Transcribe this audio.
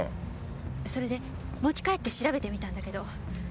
それで持ち帰って調べてみたんだけど。